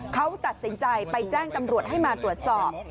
เขาตัดสินใจไปแจ้งตำรวจให้มาตรวจสอบ